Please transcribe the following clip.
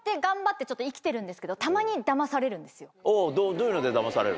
どういうのでダマされる？